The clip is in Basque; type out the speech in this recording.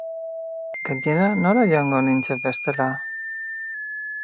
Gainera, nora joango nintzen bestela?